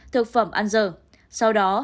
thực phẩm ăn dở